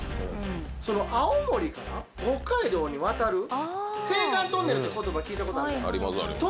その青森から北海道に渡る、青函トンネルってことば、聞いたことあるじゃないですか。